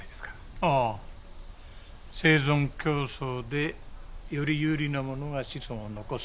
ああ生存競争でより有利なものが子孫を残すってやつですね。